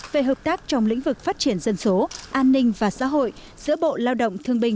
về hợp tác trong lĩnh vực phát triển dân số an ninh và xã hội giữa bộ lao động thương binh